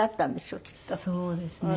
そうですね。